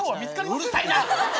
うるさいな！